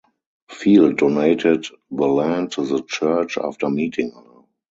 Field donated the land to the church after meeting her.